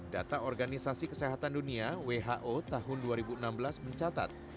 data organisasi kesehatan dunia who tahun dua ribu enam belas mencatat